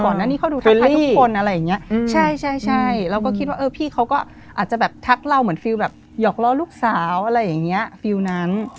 ก่อนหน้านี้เขาดูทักทายทุกคนอะไรอย่างเงี้ยใช่ใช่เราก็คิดว่าเออพี่เขาก็อาจจะแบบทักเราเหมือนฟิลแบบหยอกล้อลูกสาวอะไรอย่างเงี้ยฟิลนั้น